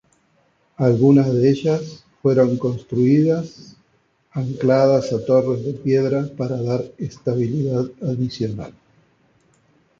Algunas de ellas fueron construidas ancladas a torres de piedra para dar estabilidad adicional.